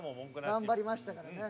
頑張りましたからね。